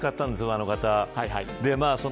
あの方。